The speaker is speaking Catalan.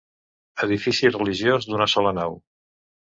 Edifici religiós d'una sola nau.